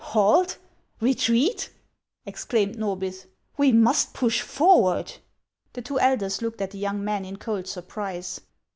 "Halt! retreat!" exclaimed Norbith ; "we must push forward." The two elders looked at the young man in cold surprise.